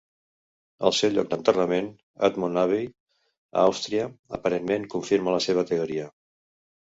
El seu lloc d'enterrament, Admont Abbey a Austria, aparentment confirma la seva teoria.